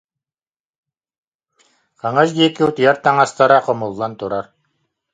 Хаҥас диэки утуйар таҥастара хомуллан турар